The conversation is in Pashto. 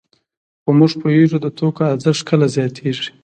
خو موږ پوهېږو د توکو ارزښت کله زیاتېږي